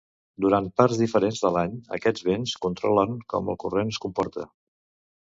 Durant parts diferents de l'any aquests vents controlen com el corrent es comporta.